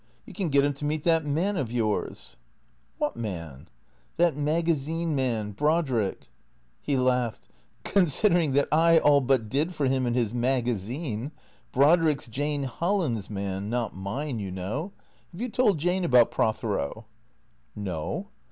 You can get him to meet that man of yours." " What man ?"" That magazine man, Brodrick." He laughed. " Considering that I all but did for him and his magazine ! Brodrick 's Jane Holland's man, not mine, you know. Have you told Jane about Prothero ?"" No."